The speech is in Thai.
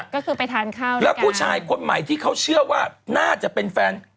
ก็คือไปทานข้าวแล้วผู้ชายคนใหม่ที่เขาเชื่อว่าน่าจะเป็นแฟน